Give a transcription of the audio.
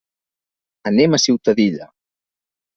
Anem a Ciutadilla.